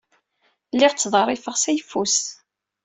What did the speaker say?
Lliɣ ttḍerrifeɣ s ayeffus.